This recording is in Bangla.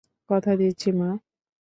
কথা দিচ্ছি, মা।